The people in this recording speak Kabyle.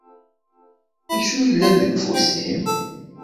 D acu yellan deg ufus-im?